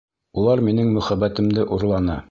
Улар минең мөхәббәтемде урланы!